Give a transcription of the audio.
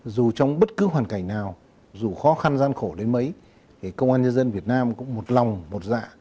dù trong bất cứ hoàn cảnh nào dù khó khăn gian khổ đến mấy thì công an nhân dân việt nam cũng một lòng một dạ